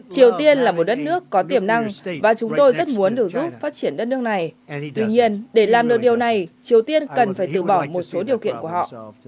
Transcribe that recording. triều tiên là một đất nước có tiềm năng và chúng tôi rất muốn được giúp phát triển đất nước này tuy nhiên để làm được điều này triều tiên cần phải từ bỏ một số điều kiện của họ